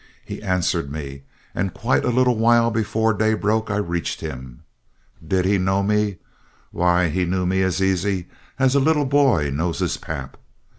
He answered me, and quite a little while before day broke I reached him. Did he know me? Why, he knew me as easy as the little boy knew his pap.